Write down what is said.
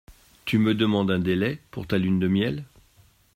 Tu me demandes un délai pour ta lune de miel.